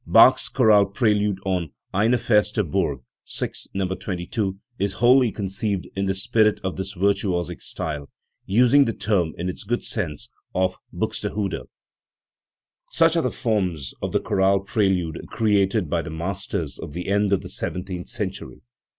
Bach's chorale prelude on Ein feste Burg (VI. No. 22) is wholly conceived in the spirit of this virtuosic style using the term in its good sense of Buxtehude. Such are the forms of the chorale prelude created by the masters of the end of the seventeenth century.